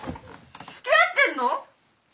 つきあってんの！？